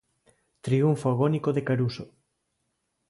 Triunfo agónico de Caruso.